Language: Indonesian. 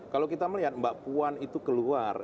kalau kita melihat mbak puan itu keluar